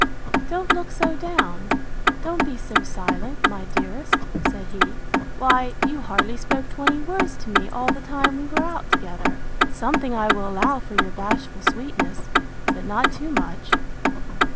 —Don't look so down, don't be so silent, my dearest, said he; why, you hardly spoke twenty words to me all the time we were out together. Something I will allow for your bashful sweetness; but not too much.